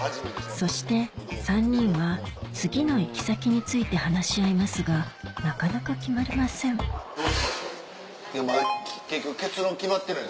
そして３人は次の行き先について話し合いますがなかなか決まりませんまだ結局結論決まってない。